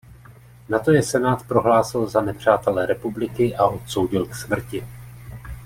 Nato je senát prohlásil za nepřátele republiky a odsoudil k smrti.